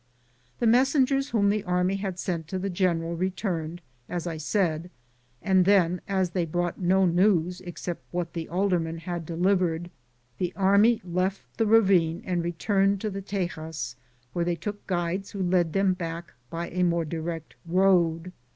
The messengers whom the army had sent to the general returned, as I said, and then, as they brought no news except what the alderman had delivered, the army left the ravine and returned to the Teyas, where they took guides who led them back by a more direct road.